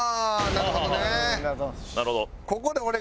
なるほど。